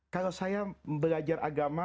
kalau saya belajar agama